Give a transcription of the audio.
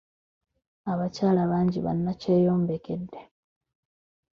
Abakyala bangi bannakyeyombekedde.